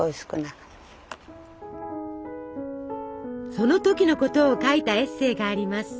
その時のことを書いたエッセイがあります。